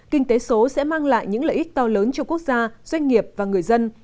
kinh tế số sẽ mang lại những lợi ích to lớn cho quốc gia doanh nghiệp và người dân